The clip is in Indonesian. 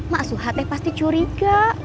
mak suha teh pasti curiga